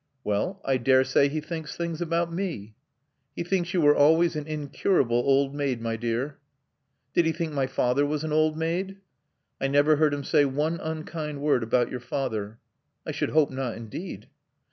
"Well I daresay he thinks things about me." "He thinks you were always an incurable old maid, my dear." "Did he think my father was an old maid?" "I never heard him say one unkind word about your father." "I should hope not, indeed."